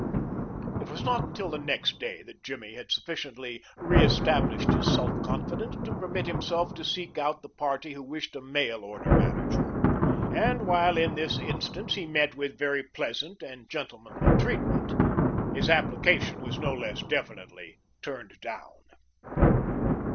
It was not until the next day that Jimmy had sufficiently reestablished his self confidence to permit him to seek out the party who wished a mail order manager, and while in this instance he met with very pleasant and gentlemanly treatment, his application was no less definitely turned down.